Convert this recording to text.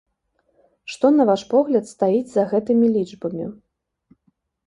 Што, на ваш погляд, стаіць за гэтымі лічбамі?